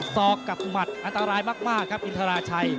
อกกับหมัดอันตรายมากครับอินทราชัย